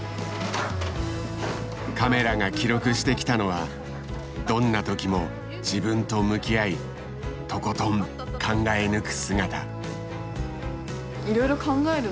カメラが記録してきたのはどんな時も自分と向き合いとことん考え抜く姿。